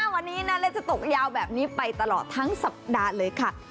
วันนี้นาเล็กจะตกยาวแบบนี้ไปตลอดทั้งสัปดาห์เลยค่ะ